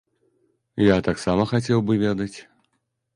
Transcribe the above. Я таксама хацеў бы ведаць.